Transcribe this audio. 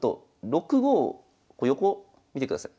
６五横見てください。